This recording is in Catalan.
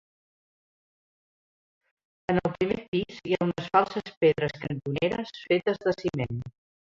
En el primer pis hi ha unes falses pedres cantoneres, fetes de ciment.